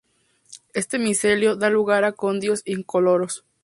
Este micelio da lugar a conidios incoloros.